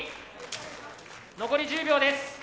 残り１０秒です。